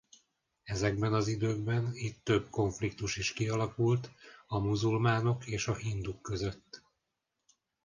Ezekben az időkben itt több konfliktus is kialakult a muzulmánok és a hinduk között.